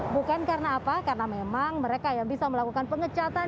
bukan karena apa karena memang mereka yang bisa melakukan pengecatan